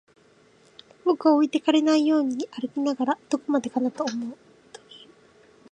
僕は置いてかれないように歩きながら、どこまでかなと言う